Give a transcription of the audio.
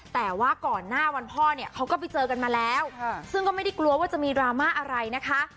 แต่ว่าก่อนหน้าวันพ่อเนี่ยเขาก็ไปเจอกันมาแล้วซึ่งก็ไม่ได้กลัวว่าจะมีดราม่าอะไรนะคะ